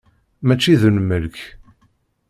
Mačči d lmelk.